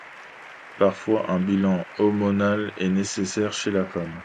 Parfois, un bilan hormonal est nécessaire chez la femme.